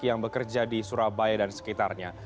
yang bekerja di surabaya dan sekitarnya